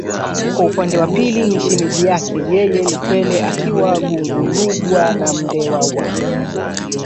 kwa upande wa pili ni shemeji yake yeye Lukwele akiwa Gungulugwa na Mndewa wa